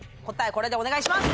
これでお願いします。